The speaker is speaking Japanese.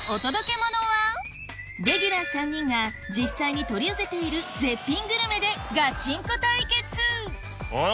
レギュラー３人が実際に取り寄せている絶品グルメでガチンコ対決あぁ！